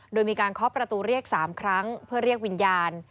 โดยมีการเคาะประตูเรียก๓ครั้งเพื่อเรียกวิญญาณ